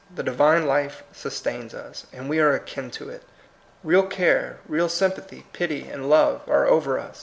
The Divine Life sustains us, and we are akin to it. Real care, real sympathy, pity, and love are over us.